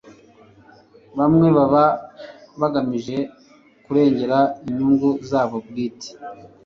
bamwe baba bagamije kurengera inyungu zabo bwite